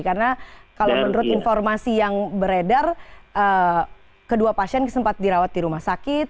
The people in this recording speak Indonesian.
karena kalau menurut informasi yang beredar kedua pasien sempat dirawat di rumah sakit